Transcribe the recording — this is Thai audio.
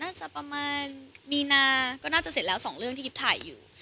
น่าจะประมาณมีนาก็น่าจะเสร็จแล้วสองเรื่องที่กิ๊บถ่ายอยู่